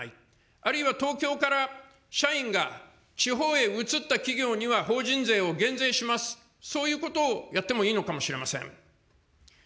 あるいは東京から社員が地方へ移った企業には、法人税を減税します、そういうことをやってもいいのかもしれません。